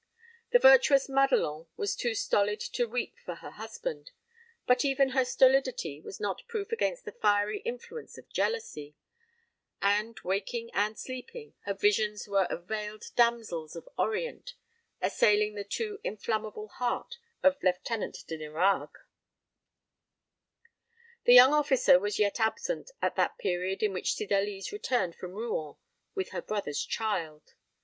The virtuous Madelon was too stolid to weep for her husband. But even her stolidity was not proof against the fiery influence of jealousy, and, waking and sleeping, her visions were of veiled damsels of Orient assailing the too inflammable heart of Lieutenant de Nérague. The young officer was yet absent at that period in which Cydalise returned from Rouen with her brother's child.